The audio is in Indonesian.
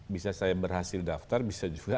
bisa saya berhasil daftar bisa juga